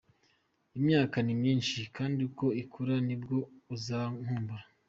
Imyaka ni myinshi, kandi uko ikura nibwo uzankumbura.